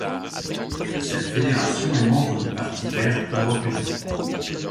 Cette fédération est membre du Parti vert européen.